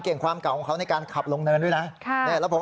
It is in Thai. เก่งความเก่าของเขาในการขับโรงเดินด้วยนะค่ะแล้วผม